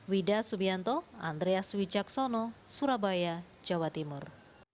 wida subianto andreas wijaksono surabaya jawa timur